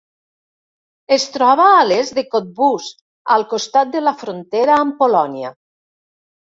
Es troba a l'est de Cottbus, al costat de la frontera amb Polònia.